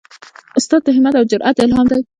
استاد د همت او جرئت الهام دی.